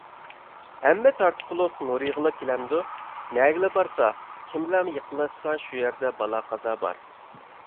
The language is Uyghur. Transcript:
ھەممە تارتقۇلۇق نۇرىغىلا كېلەمدۇ، نەگىلا بارسا، كىم بىلەن يېقىنلاشسا شۇ يەردە بالا-قازا بار،